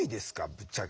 ぶっちゃけ。